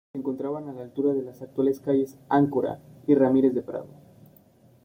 Se encontraban a la altura de las actuales calles Áncora y Ramírez de Prado.